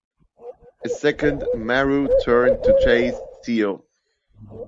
A second maru turned to chase "Seal".